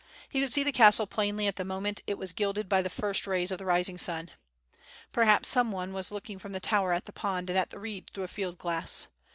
He could see the castle plainly at the moment it was gilded by the first rays of the rising sun. Per haps some one was looking from the tower at the pond and at the reeds through a field glass.